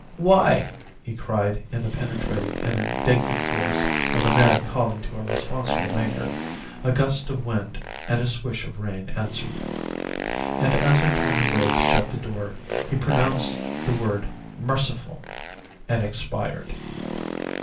'Why?' he cried in the penetrating and indignant voice of a man calling to a responsible Maker. A gust of wind and a swish of rain answered. "And as I turned away to shut the door he pronounced the word 'Merciful!' and expired.